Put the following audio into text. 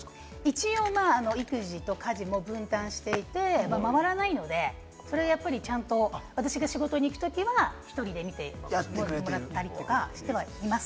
一応、育児も家事も分担していて、回らないので、それはちゃんと私が仕事に行くときは、家でやってもらったりとかはしています。